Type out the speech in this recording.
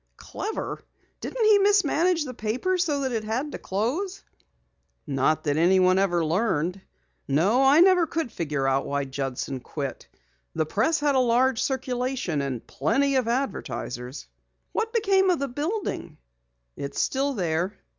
"Clever? Didn't he mis manage the paper so that it had to close?" "Not that anyone ever learned. No, I never could figure out why Judson quit. The Press had a large circulation and plenty of advertisers." "What became of the building?" "It's still there."